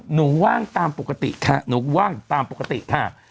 ว่างตามปกติค่ะหนูว่างตามปกติค่ะ